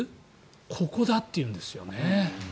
ここだっていうんですよね。